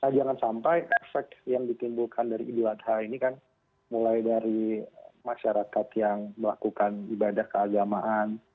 jangan sampai efek yang ditimbulkan dari idul adha ini kan mulai dari masyarakat yang melakukan ibadah keagamaan